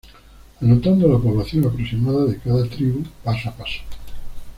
Anotando la población aproximada de cada "tribu", paso a paso.